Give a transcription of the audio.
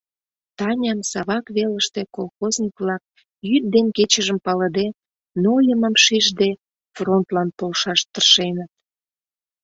Таням Савак велыште колхозник-влак, йӱд ден кечыжым палыде, нойымым шижде, фронтлан полшаш тыршеныт.